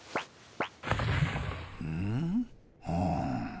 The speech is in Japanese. うん。